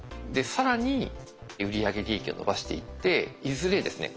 更に売り上げ利益を伸ばしていっていずれですね